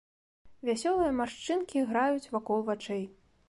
Вясёлыя маршчынкі граюць вакол вачэй.